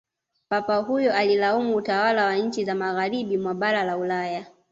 papa huyo alilaumu utwala wa nchi za magharibi mwa bara la ulaya